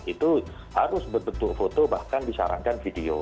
itu harus berbentuk foto bahkan disarankan video